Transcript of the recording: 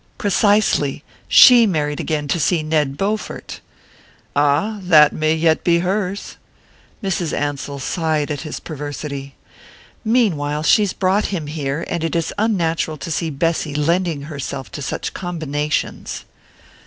"Precisely. She married again to see Ned Bowfort!" "Ah that may yet be hers!" Mrs. Ansell sighed at his perversity. "Meanwhile, she's brought him here, and it is unnatural to see Bessy lending herself to such combinations."